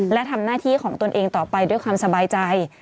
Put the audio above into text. และทำหน้าที่ของตนเองต่อไปด้วยความสบายใจ